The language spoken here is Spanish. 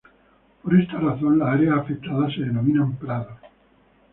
Por esta razón, las áreas afectadas se denominan prados.